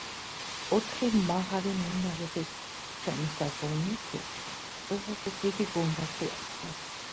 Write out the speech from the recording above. ოთხი მაღალი მინარეთით შემოსაზღვრულ მეჩეთს მწვერვალზე დიდი გუმბათი ადგას.